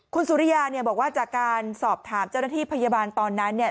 คุณสุริยาเนี่ยบอกว่าจากการสอบถามเจ้าหน้าที่พยาบาลตอนนั้นเนี่ย